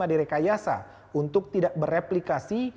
adenovirus lima di rekayasa untuk tidak bereplikasi